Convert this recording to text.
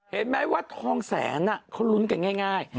เห็นไหมว่าทองแสนเขาลุ้นกันง่าย